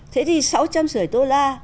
thế thì sáu trăm năm mươi đô la